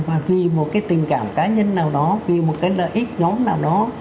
và vì một cái tình cảm cá nhân nào đó vì một cái lợi ích nhóm nào đó